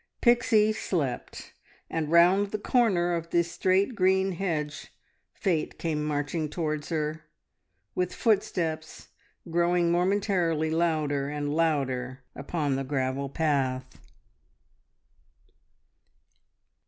Pixie slept, and round the corner of this straight green hedge fate came marching towards her, with footsteps growing momentarily louder, and louder upon the gravel path.